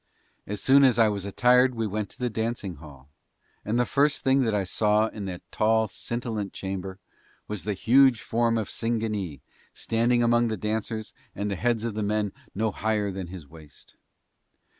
As soon as I was attired we went to the dancing hall and the first thing that I saw in that tall, scintillant chamber was the huge form of Singanee standing among the dancers and the heads of the men no higher than his waist.